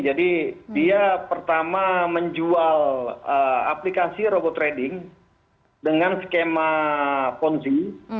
jadi dia pertama menjual aplikasi robot trading dengan skema ponzi